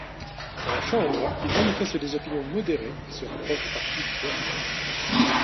A la Chambre, il manifeste des opinions modérées et se rapproche du parti libéral.